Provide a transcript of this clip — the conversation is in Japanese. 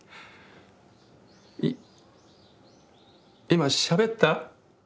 い今しゃべった？